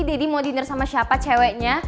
deddy mau dinner sama siapa ceweknya